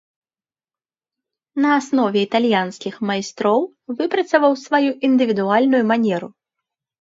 На аснове італьянскіх майстроў выпрацаваў сваю індывідуальную манеру.